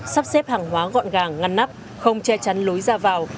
sắp xếp hàng hóa gọn gàng ngăn nắp không che chắn lối ra vào